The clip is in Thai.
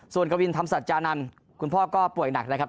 ส่วนกวินทำศัตริย์จานันท์คุณพ่อก็ป่วยหนักเลยครับ